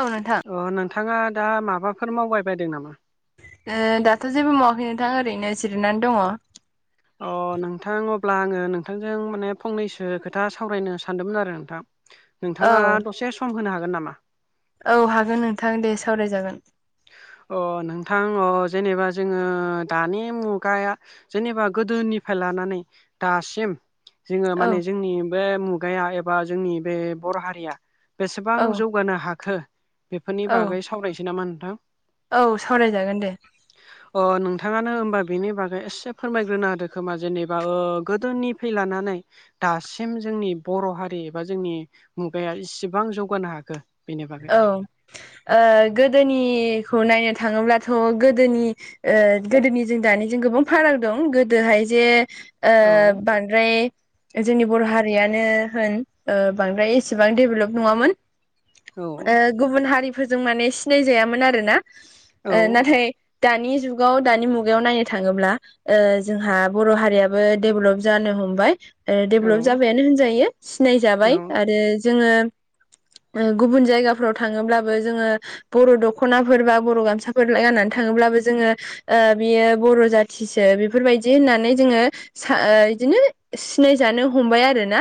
औ नोंथां । अ नोंथाङा दा माबाफोर मावबाय बायदों नामा? ओ दाथ' जेबो मावाखै नोंथां ओरैनो जिरायनानै दङ । अ नोंथां अब्ला आङो नोंथांजों माने फंनैसो खोथा सावरायनो सानदोंमोन आरो नोंथां । नोंथाङा दसे सम होनो हागोन नामा? औ हागोन नोंथां दे सावरायजागोन । अ नोंथां अ जेनेबा जोङो दानि मुगाया जेनेबा गोदोनिफ्राय लानानै दासिम जोङो औ माने जोंनि बे मुगाया एबा जोंनि बे बर' हारिया बेसेबां औ जौगानो हाखो बेफोरनि औ बागै सावरायसै नामा नोंथां? औ सावरायजागोन दे [inaudible] अ नोंथाङानो होमबा बेनि बागै एसे फोरमायग्रोना होदो खोमा? जेनेबा ओ गोदोनिफ्राय लानानै दासिम जोंनि बर' हारि एबा जोंनि मुगाया इसिबां जौगानो हाखो? बेनि बागै औ ओ गोदोनिखौ नायनो थाङोब्लाथ' गोदोनि ओ गोदोनि जों दानिजों गोबां फाराग दं । गोदोहाय जे ओ औ बांद्राय जोंनि बर' हारियानो होन ओ बांद्राय एसेबां डेभलप नङामोन । औ ओ गुबुन हारिफोरजों माने सिनायजायामोन आरो ना औ ओ नाथाय दानि जुगाव दानि मुगायाव नायनो थाङोब्ला ओ जोंहा बर' हारियाबो डेभलप जानो हमबाय । ओ औ डेभलप जाबायानो होनजायो औ सिनायजाबाय आरो जोङो ओ गुबुन जायगाफ्राव थाङोब्लाबो जोङो बर' दख'नाफोर बा बर' गामसाफोर गाननानै थाङोब्लाबो जोङो ओ बियो बर' जाथिसो बेफोरबायदि होननानै जोङो सा ओ बिदिनो सिनायजानो हमबाय आरोना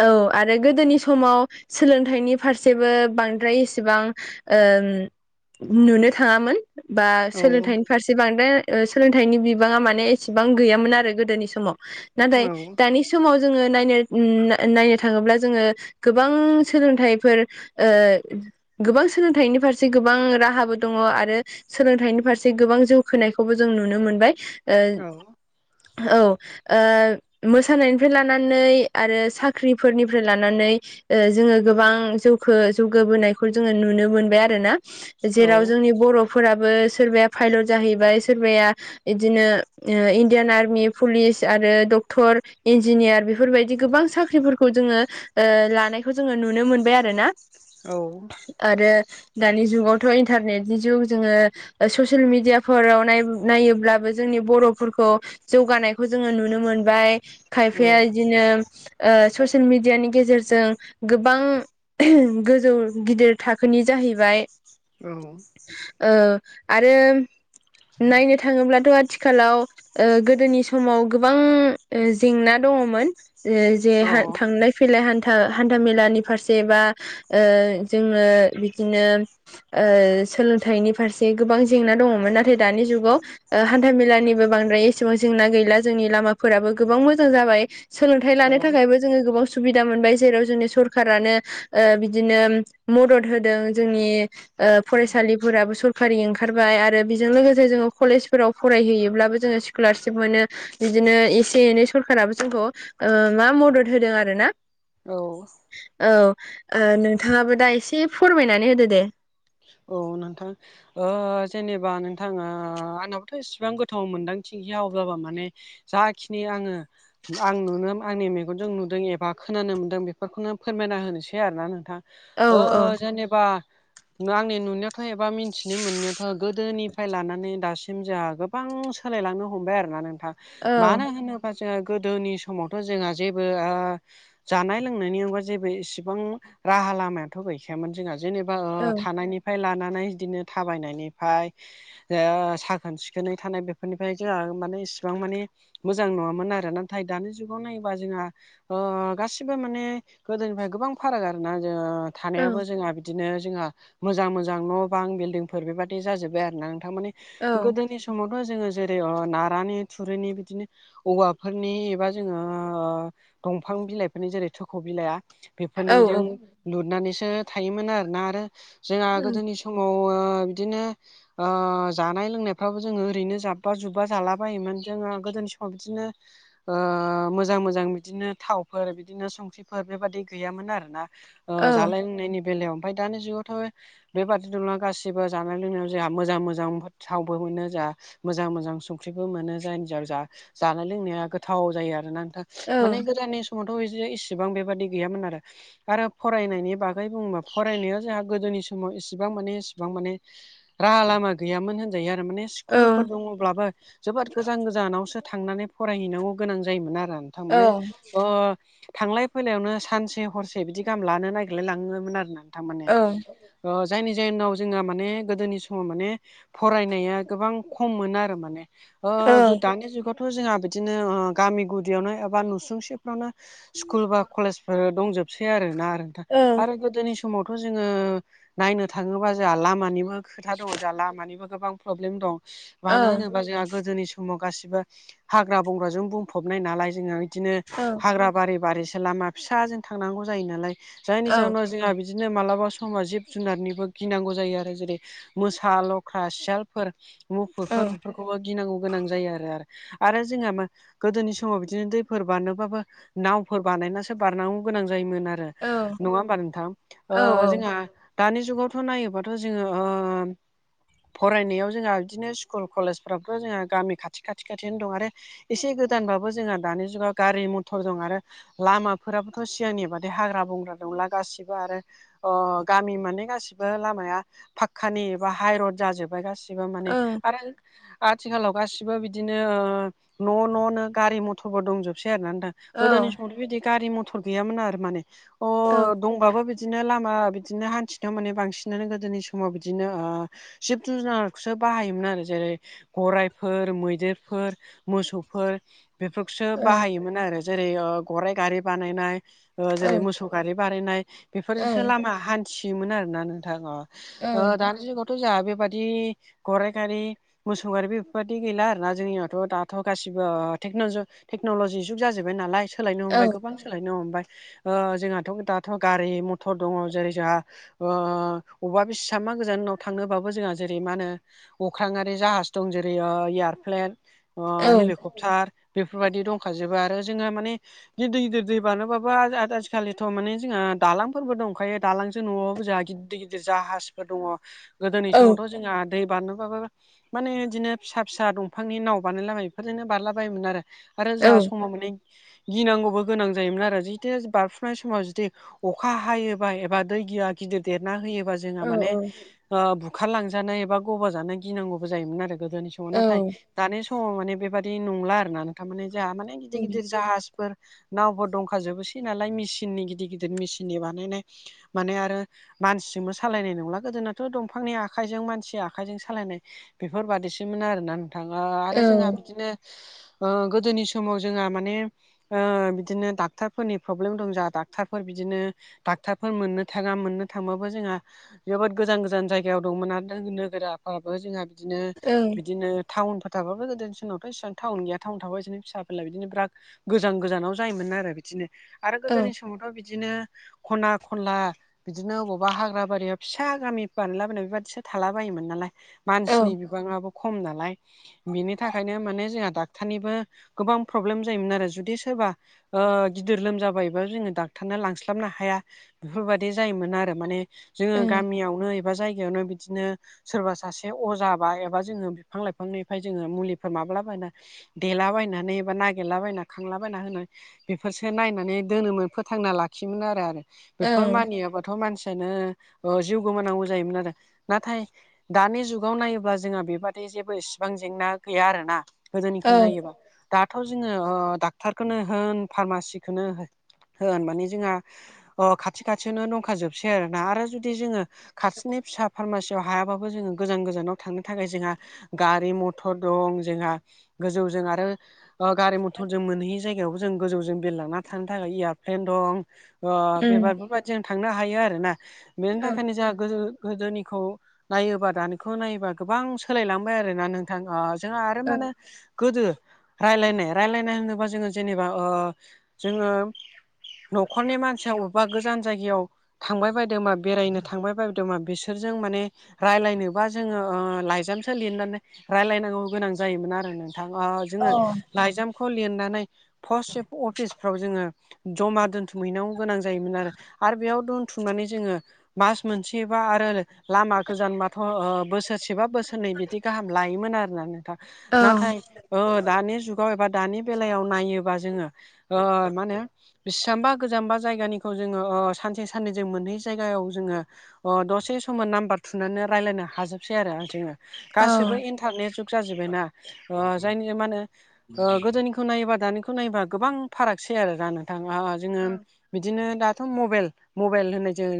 औ आरो गोदोनि समाव सोलोंथाइनि फारसेबो बांद्राय एसेबां ओम नुनो थाङामोन। बा औ सोलोंथाइनि फारसे बांद्राय ओ सोलोंथाइनि बिबाङा माने एसेबां गैयामोन आरो गोदोनि समाव। नाथाय औ दानि समाव जोङो नायनो उम नायनो थाङोब्ला जोङो गोबां सोलोंथाइफोर ओ गोबां सोलोंथाइनि फारसे गोबां राहाबो दङ आरो सोलोंथाइनि फारसे गोबां जौखोनायखौबो जों नुनो मोनबाय औ । ओ औ ओ मोसानायनिफ्राय लानानै आरो साख्रिफोरनिफ्राय लानानै ओ जोङो गोबां जौखो जौगाबोनायखौ जोङो नुनो मोनबाय आरोना। औ जेराव जोंनि बर' फोराबो सोरबाया फाइलर जाहैबाय सोरबाया बिदिनो ओ इण्डियान आर्मि पुलिस आरो डक्टर इन्जिनियार बेफोरबायदि गोबां साख्रि साख्रिफोरखौ जोङो ओ लानायखौ जोङो नुनो मोनबाय आरो ना। औ। आरो दानि जुगावथ' इन्टारनेटनि जुग जोङो ससियेल मिडियाफोराव नायोब्लाबो जोंनि बर'फोरखौ जौगानायखौ जोङो नुनो मोनबाय। खायफाया बिदिनो ओ ससियेल मिडियानि गेजेरजों गोबां गोजौ गिदिर थाखोनि जाहैबाय। औ। औ आरो नायनो थाङोब्लाथ' आथिखालाव ओ गोदोनि समाव गोबां जेंना दङमोन। ओ जे थांलाय फैलाय हान्था हान्था मेलानि फारसे बा ओ जोङो बिदिनो ओ सोलोंथाइनि फारसे गोबां जेंना दङमोन नाथाय दानि जुगाव ओ हान्थामेलानिबो बांद्राय एसेबां जेंना गैला जोंनि लामाफोराबो गोबां मोजां जाबाय। सोलोंथाइ औ लानो थाखायबो जोङो गोबां सुबिदा मोनबाय जेराव जोंनि सरखारानो ओ बिदिनो मदद होदों जोंनि ओ फरायसालिफोराबो स खारि ओंखारबाय आरो बेजों लोगोसे जोङो कलेजफोराव फरायहैयोब्लाबो जोङो स्क'लारसिफ मोनो बिदिनो एसे एनै सरखाराबो जोंखौ ओ मा मदद होदों आरो ना? औ। औ ओ नोंथाङाबो दा एसे फोरमायनानै होदो दे। औ नोंथां। जेनेबा नोंथाङा ।आंनावबोथ' एसिबां गोथौ मोनदांथि गैया अब्लाबो माने जाखिनि आङो आं नुनो आंनि मेगनजों नुदों एबा खोनानो मोनदों बेफोरखौनो फोरमायना होनोसै आरोना नोंथां। औ ओ औ जेनेबा आंनि नुनायावथ' एबा मिथिनो मोननायावथ' गोदोनिफ्राय लानानै दासिम जोहा गोबां सोलायलांनो हमबाय आरो ना नोंथां औ मानो होनोब बा जोंहा गोदोनि समावथ' जोंहा जेबो ओ जानाय लोंनायनि [unintelligible] बा जेबो इसिबां राहा लामायाथ' गैखायामोन जोंहा जेनेबा ओ औ थानायनिफ्राय लानानै बिदिनो थाबायनायनिफाय ओ साखोन सिखोनै थानाय बेफोरनिफ्राय जोंहा माने इसिबां माने मोजां नङामोन आरो नाथाय दानि जुगाव नायोबा जोंहा ओ गासिबो माने गोदोनिफ्राय गोबां फाराग आरोना ओ औ थानायावबो जोंहा बिदिनो जोंहा मोजां मोजां न' बां बिल्डिंफोर बेबादि जाजोब्बाय आरो ना नोंथां माने औ गोदोनि स समावथ' जोङो जेरै ओ नारानि थुरिनि बिदिनो औवाफोरनि एबा जोङो ओ दंफां बिलाइफोरनि जेरै थोख' बिलाइआ औ बेफोरनिजों लुरनानैसो थायोमोन आरोना आरो जोंहा गोदोनि स समाव ओ बिदिनो ओ जानाय लोंनायफ्राबो जोंङो ओरैनो जाब्बा जुब्बा जाला बायोमोन जोङो गोदोनि समाव बिदिनो ओ मोजां मोजां बिदिनो थावफोर बिदिनो संख्रिफोर बेबादि गैयामोन आरोना। ओ औ जालाय लोंनायनि बेलायाव ओमफाय दानि जुगाव थ' बेबादिनोल गासिबो जानाय लोंनायाव जोंहा मोजां मोजां थावबो मोनो जोंहा मोजां मोजां संख्रिबो मोनो जायनि जा जानाय लोंनाया गोथाव जायो आरोना नोंथां। औ माने गोदाननि समावथ' बिदि इसिबां बेबादि गैयामोन आरो। आरो फरायनायनि बाग गै बुंबा फरायनायाव जोंहा गोदोनि समाव इसेबां माने एसेबां माने राहा लामा गैयामोन। जायो आरो माने स्कुलफोर दंङोब्लाबो जोबोद गोजान गोजानावसो थांनानै फरायहैनांगौ गोनां जायोमोन आरो नोंथां औ माने ओ थांलाय फैलायावनो सानसे हरसे बिदि गाहाम लानो नागगिरलाय लाङोमोन आरो नोंथां माने औ। ओ जायनि जाहोनाव जोंहा माने गोदोनि समाव माने फरायनाया गोबां खममोन आरो माने ओ औ दानि जुगाव थ' जोंहा बिदिनो ओ गामि गुदियावनो एबा नुसुंसेफ्रावनो स्कुल बा कलेजफोर दंजोबसै आरो ना आरो। आरो गोदोनि समावथ' जोङो नायनो थाङोबा जोंहा लामानिबो खोथा दङ जोहा लामानिबो गोबां प्रब्लेम दं मानो होनोबा जोंहा गोदोनि स समाव गासिबो हाग्रा बंग्राजों बुंफबनाय नालाय जोङो। बिदिनो हाग्रा बारि बारिसो लामा फिसाजों थांनांगौ जायो नालाय जायनि जाहोनाव औ जोंहा बि दिनो मालाबा समा जिब जुनारनिबो गिनांगौ जायो आरो जेरै मोसा लख्रा सियालफोर मुफुरफोर बेफोरखौबो गिनांगौ गोनां जायो आरो। आरो जोंहा म गोदोनि समाव बिदिनो दैफोर बारनोबाबो नावफोर बानायनासो बारनांगौ गोनां जायोमोन आरो। नङा होमबा नोंथां ओ जोंहा दानि जुगावथ' नायोबाथ' जोङो ओ फरायनायाव जोंहा इदिनो स्कुल कलेजफ्रावथ' जोंहा गामि खाथि खाथि खाथियावनो दं आरो एसे गोदानबाबो जोंहा दानि जुगाव गारि मथर दं आरो लामाफोराबोथ' सिगांनि बादि हाग्रा बंग्रा नंला गासिब आरो अ गामि माने गासिबो लामाया फाक्कानि एबा हाइरड जाजोब्बाय गासिबो माने आरो आथिखालाव गासिबो बिदिनो ओ न' न'नो गारि मथरबो दंजोबसै आरोना नोंथां। गोदोनि समावथ' बिदि गारि मथर गैयामोन आरो माने अ दंबाबो बिदिनो लामा बिदिनो हान्थिनायाव माने बांसिनानो गोदोनि समाव बिदिनो ओ जिब जुनारखोसो बाहायोमोन आरो जेरै गराइफोर मैदेरफोर मोसौफोर बेफोरखौसो बाहायोमोन आरो जेरै ओ गराइ गारि बानायनाय ओ जेरै मोसौ बारि बारायनाय बेफोरजोंसो लामा हान्थियोमोन आरोना नोंथां ओ औ ओ दानि जुगाव थ' जोंहा बेबादि गराय गारि मोसौ गारिबो बेफोरबादि गैला आरोना जोंनियावथ' दाथ' गासिबो टेक्न'लजि टेक्न'ल'जि जुग जाजोबबाय नालाय औ औ दै मथर दङ जेरै जोहा ओ अबा बेसेबांबा गोजाननाव थांनो बाबो जोंहा जेरै मा होनो अख्राङारि जाहाज दं जेरै ओ एयारप्लेन ओ औ हेलिक्फ थार बेफोरबायदि दंखाजोबो आरो जोङो माने गिदिर गिदिर दै बारनो आज-आजिखालि माने जोंहा दालांफोरबो दंंखायो दालांजों नङाबाबो जाहा गिदिर गिदिर जाहाजबो दङ। गोदोनि औ समावथ' जोंहा दै बारनोबाबो माने इदिनो फिसा फिसा दंफांनि नाव बानायलाबायो बेफोरजोंनो बारलाबायोमोन आरो। आरो औ जोंहा समाव माने गिनांगौबो गोनां जायोमोन आरो जिहथे बारफुनाय समाव जुदि अखा हायोबा एबा दैगिया गिदिर देरना होयोबा औ जोंहा माने औ ओ बुखार लांजानाय एबा गबा जानाय गिनांगौबो जायोमोन आरो गोदोनि समाव नाथाय औ दानि समाव माने बेबादि नंला आरोना थारमाने जोंहा माने औ गिदिर उम गिदिर जाहाजफोर नावफोर दंखाजोबोसै नालाय मिसिननि गिदिर गिदिर मिसिननि बानायनाय माने आरो मानसिजोंबो सालायनाय नंला गोदोनाथ' दंफांनि आखाइजों मानसि आखाइजों सालायनाय बेफोरबादिसोमोन आरोना नोंथां ओ औ आरो जोंहा बिदिनो ओ गोदोनि समाव जोंहा माने ओ बिदिनो डाक्टरफोरनि प्रब्लेम दं जाहा डाक्टरफोर बिदिनो डाक्टारफोर मोननो थाङा मोननो थांबाबो जोंहा जोबोद गोजान गोजान जायगायाव दंमोन आरो नोगोराफोराबो जोंहा बिदिनो औ बिदिनो टाउफोर थाब गोदोनि सानावथ' इसां टाउन गैया थाउ थावा एसे एनै बिदिनो फिसा फेरला बिदिनो बिराग गोजान गोजानाव जायोमोन आरो बिदिनो आरो औ गोदोनि समावथ' बिदिनो खना खनला बिदिनो अबावबा हाग्रा बारियाव फिसा गामि बानाला बायना बेबादिसो थाला बायोमोन नालाय औ मानसिनि बिबांआबो खम नालाय बिनि थाखायनो माने जोंहा डाक्टरनिबो गोबां प्रब्लेम जायोमोन आरो जुदि सोरबा ओ गिदिर लोमजाबायोबा जोङो डाक्टारनो लांस्ला बनो हाया बेफोरबायदि जायोमोन आरो माने जोङो गामियावनो एबा जायगायावनो बिदिनो सोरबा सासे अजा बा एबा जोङो बिफां लाइफांनिफ्राय जोङो मुलिफोर माब्लाबा देलाबायनानै एबा नागिरलाबायना खांलाबायना होनानै बेफोरसो नायनानै दोनोमोन फोथांना लाखियोमोन आरो आरो बेफोर मानियाब्ला' थ'मानसियानो जिउ गोमानांगौ जायोमोन आरो नाथाय दानि जुगाव नायोबा जोंहा बेबादि जेबो इसिबां जेंना गैया आरोना। गोदोनिखौ नायोबा दाथ' जोङो ओ डाक्टारखौनो होन फारमासिखौनो हो होन माने जों खाथि खाथियावनो दंखाजोबसै आरोना आरो जुदि जोङो खाथिनि फिसा फार्मासि खायाव हायाबाबो जोङो गोजान गोजानाव थांनो थाखाय जोंहा गारि मथर दं जोंहा गोजौजों आरो गारि मथर जों मोनहैयि जायगायावबो जों गोजौजों बिरलांना थानो थाखाय एयारप्लेन दं बेबारफोरबायदि जों थांनो हायो आरोना बेनि थाखायनो जों गोजो गोदोनिखौ नायोबा दानिखौ नायोबा गोबां सोलायलांबाय आर ना नों जोंहा आरो माने गोदो रायलायनाय रायलायनाय होनोबा जोङो जेनेबा जोङो नखरनि मानसिया बबेबा गोजान जायगायाव थांबाय बायदोंबा बेरायनो थांबाय बायदोंबा बिसोरजों माने रायज्लायनोबा जोङो ओ लाइजामसो लिरनानै रायलायनांगौ गोनां जायोमोन आरो नोंथां ओ जोङो लाइजामखौ लिरनानै फस्ट अफिसफ्राव जोङो जमा दोन थुमहैनांगौ गोनां जायोमोन आरो बेयाव दोनथुमनानै जोङो मास मोनसेबा आरो लामा गोजानबाथ' ओ बोसोरसेबा बोसोरनै बिदि गाहाम लायोमोन आरोना नोंथां नाथाय दानि जुगाव एबा दानि बेलायाव नायोबा जोङो माने बेसेबांबा गोजाम्बा जायगानिखौ जोङो सानसे साननै जो मोनहै जायगायाव जोङो अ दसे समाव नाम्बार थुनानै रायज्लायनो हाजोबसै आरो जोङो गाससिबो इन्टारनेट जुग जाजोब्बायना जायनि मा होनो गोदोनि खौखौ नायोबा दानिखौ नायबा गोबां फारागसै आरो राननो थाङा जोङो बिदिनो दाथ' मबाइल मबाइल होननायजों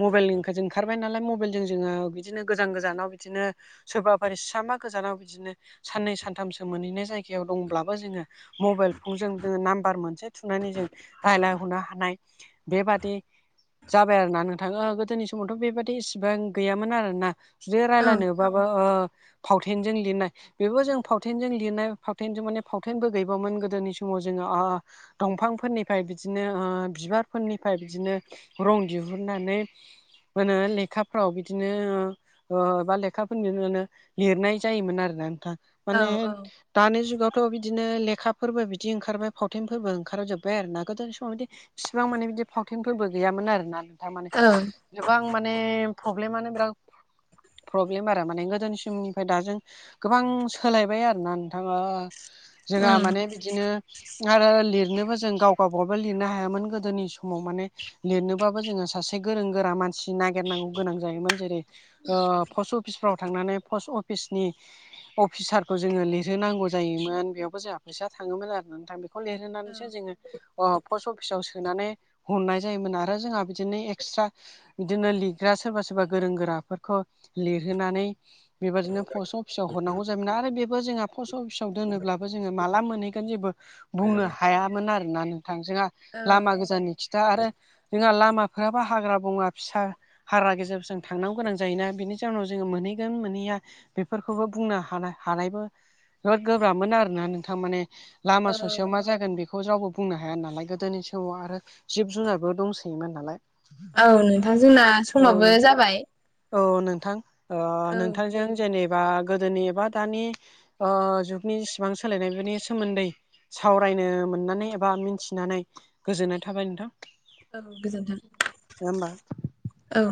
मबेलनि जों [unintelligible] ओंखारबाय नालाय मबेलजों जोङो बिदिनो गोजान गोजानाव बिदिनो सोरबाफारि बिसांबा गोजानाव बिदिनो साननै सानथामसो मोनहैनाय जायगायाव दंब्लाबो जोङो मबेइल फन जोङो नाम्बार मोनसे थुनानै जों रायला हरनो हानाय बेबादि जाबाय आरोना नोंथाङा गोदोनि समावथ' बेबायदि इसिबां गैयामोन आरोना जुदि औ रायलायनो माबा ओ फावथेनजों लिरनाय बेबो जों फावथेनजों लिरनाय फावथेनजों माने फावथेनबो गैबामोन गोदोनि समाव जोङो ओ दंफांफोरनिफ्राय बि दिनो बिबारफोरनिफ्राय बिदिनो रं दिहुननानै मा होनो लेखाफ्राव बिदिनो ओ बा लेखाफोरनिनो लिरनाय जायोमोन आरोना नोंथां माने औ दानि जुगावथ' बिदिनो लेखाफोरबो बिदि ओंखारबाय फावथेंफोरबो ओंखारजोबबाय आरोना गोदोनि समाव बिदि इसिबां माने बिदि फावथेफोरबो गैयामोन आरोना नोंथां माने औ गोबां माने प्रब्लेमानो बिराद प्रब्लेम आरो माने गोदोनि समनिफ्राय दाजों गोबां सोलायबाय आरोना नोंथां ओ जोंहा माने बिदिनो आरो लिरनोबो जों गाव गावबा गाव लिरनो हायामोन गोदोनि समाव माने लिरनोबाबो जोङो सासे गोरों गोरा मानसि नागिरनांगौ गोनां जायोमोन जेरै ओ पस्ट अफिसफ्राव थांनानै पस्ट अफिसनि अफिसारखौ जोङो लिरहोनांगौ जायोमोन बेयावबो जोंहा फैसा थाङोमोन आरो नोंथां बे खौ लिरहोनानैसो जोङो अ पस्ट अफिसाव सोनानै हरनाय जायोमोन आरो जोंहा बिदिनो एक्सट्रा बिदिनो लिरग्रा सोरबा सोरबा गोरों गोराफोरखौ लिरहोनानै बेबायादिनो पस्ट अफिसाव हरनांगौ जायोमोन आरो बेबो जोंहा पस्ट अफिसाव दोनोब्लाबो जोङो माला मोनहैगोन जेबो बुंनो हायामोन आरोना नोंथां जोंहा लामा गोजाननि खिथा आरो जोंहा लामाफोराबो हाग्रा बंग्रा फिसा हारा गेजेर जों थांनांगौ गोनां जायोना बेनि जाउनाव जोङो मोनहैगोन मोनहैया बेफोरखौबो बुंनो हानाय हानायबो बिराद गोब्राबमोन आरोना नोंथां माने लामा ससेयाव मा जागोन बेखौ रावबो बुंनो हा हाया नालाय गोदोनि समाव आरो जिब जुनारबो दंसोयोमोन नालाय औ नोंथां जोंना औ समावबो नों जाबाय औ नोंथां ओ औ नोंथांजों जेनेबा गोदोनि एबा दानि ओ जुगनि जिसिबां सोलायनाय बेनि सोमोन्दै सावरायनो मोननानै एबा मिथिनानै गोजोननाय थाबाय नोंथां औ गोजोन्थों होमबा औ